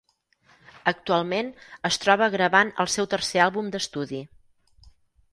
Actualment es troba gravant el seu tercer àlbum d'estudi.